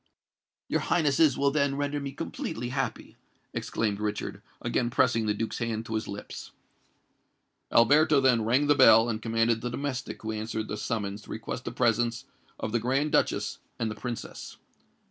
"Your Highnesses will then render me completely happy," exclaimed Richard, again pressing the Duke's hand to his lips. Alberto then rang the bell, and commanded the domestic who answered the summons to request the presence of the Grand Duchess and the Princess.